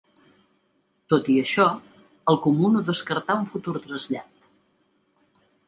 Tot i això, el comú no descartà un futur trasllat.